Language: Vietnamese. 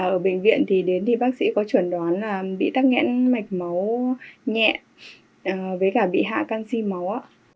ở bệnh viện thì đến thì bác sĩ có chuẩn đoán là bị tắc nghẽn mạch máu nhẹ với cả bị hạ canxi máu ạ